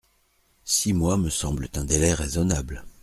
Six mois me semblent un délai raisonnable.